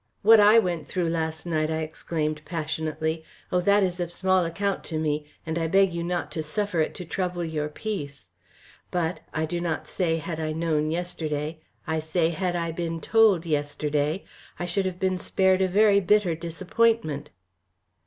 "What I went through last night!" I exclaimed, passionately. "Oh, that is of small account to me, and I beg you not to suffer it to trouble your peace. But I do not say had I known yesterday, I say had I been told yesterday I should have been spared a very bitter disappointment."